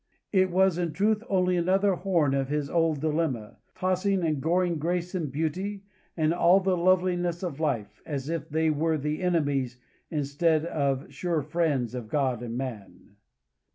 It was in truth only another horn of the old dilemma, tossing and goring grace and beauty, and all the loveliness of life, as if they were the enemies instead of the sure friends of God and man."